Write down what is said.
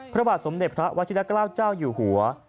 พระบาทสมเด็จพระวชิละเกล้าเจ้าอยู่หัว